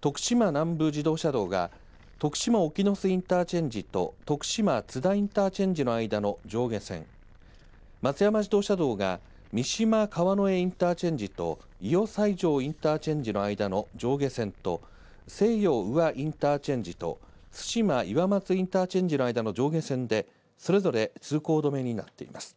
徳島南部自動車道が徳島沖洲インターチェンジと徳島津田インターチェンジの間の上下線、松山自動車道が三島川之江インターチェンジといよ西条インターチェンジの間の上下線と西予宇和インターチェンジと津島岩松インターチェンジの間の上下線でそれぞれ通行止めになっています。